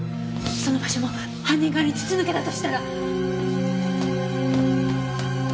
その場所も犯人側に筒抜けだとしたら！